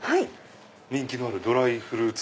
人気のあるドライフルーツ。